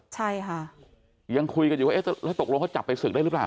ใช่ค่ะยังคุยกันอยู่ว่าเอ๊ะแล้วตกลงเขาจับไปศึกได้หรือเปล่า